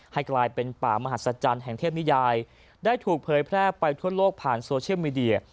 ให้กลายเป็นป่ามหัศจรรย์แห่งเทพนิยายได้ถูกเผยแพร่ไปทั่วโลกผ่านโซเชียลมีเดีย